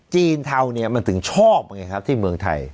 เทาเนี่ยมันถึงชอบไงครับที่เมืองไทย